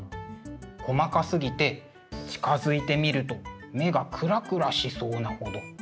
細かすぎて近づいて見ると目がくらくらしそうなほど。